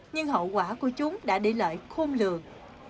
nhưng hậu quả của chúng đã để lợi khôn lược